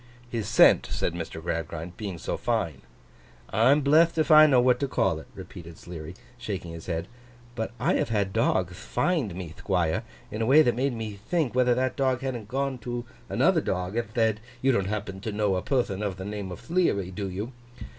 'His scent,' said Mr. Gradgrind, 'being so fine.' 'I'm bletht if I know what to call it,' repeated Sleary, shaking his head, 'but I have had dogth find me, Thquire, in a way that made me think whether that dog hadn't gone to another dog, and thed, "You don't happen to know a perthon of the name of Thleary, do you?